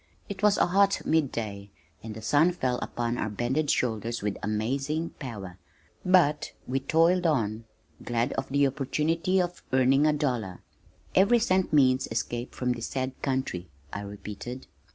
It was hot at mid day and the sun fell upon our bended shoulders with amazing power, but we toiled on, glad of the opportunity to earn a dollar. "Every cent means escape from this sad country," I repeated.